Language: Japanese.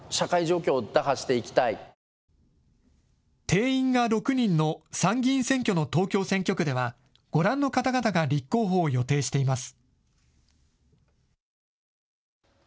定員が６人の参議院選挙の東京選挙区ではご覧の方々が立候補を予定しています。